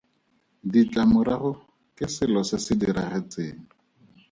Ditlamorago ke selo se se diragetseng.